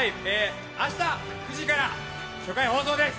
明日、９時から初回放送です！